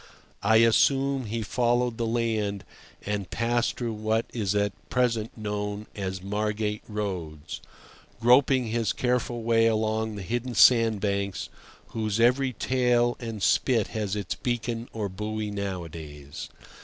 I assume he followed the land and passed through what is at present known as Margate Roads, groping his careful way along the hidden sandbanks, whose every tail and spit has its beacon or buoy nowadays.